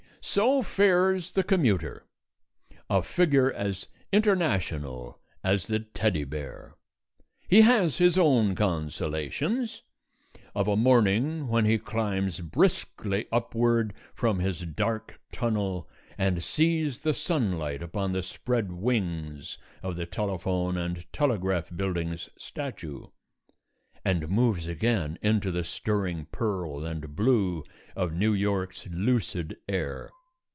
So fares the commuter: a figure as international as the teddy bear. He has his own consolations of a morning when he climbs briskly upward from his dark tunnel and sees the sunlight upon the spread wings of the Telephone and Telegraph Building's statue, and moves again into the stirring pearl and blue of New York's lucid air.